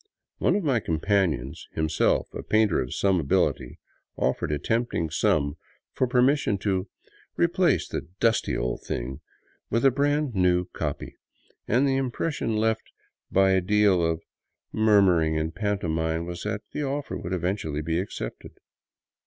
One of my companions, himself a painter of some ability, offered a tempting sum for permission to replace the " dusty old thing " with a brand new copy ; and the impression left by a deal of murmuring and pantomime was that the offer would eventually be accepted.